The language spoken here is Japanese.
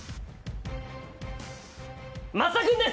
増田君です！